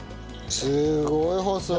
すごい細い。